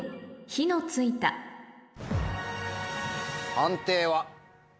判定は？